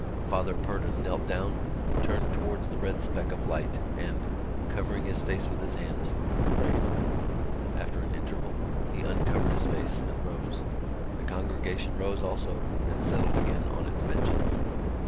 Father Purdon knelt down, turned towards the red speck of light and, covering his face with his hands, prayed. After an interval, he uncovered his face and rose. The congregation rose also and settled again on its benches.